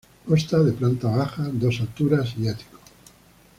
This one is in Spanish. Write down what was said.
Consta de planta baja, dos alturas y ático.